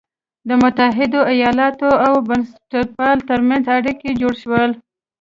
د متحدو ایالتونو او بنسټپالو تر منځ اړیکي جوړ شول.